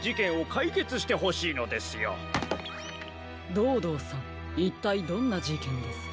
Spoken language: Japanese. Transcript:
ドードーさんいったいどんなじけんですか？